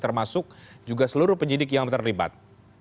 termasuk juga seluruh penyidik yang terlibat